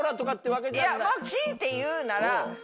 いやまぁ強いて言うなら。